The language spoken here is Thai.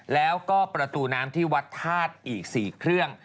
แล้วก็ประตูน้ำที่วัดธาตุอีก๔เครื่อง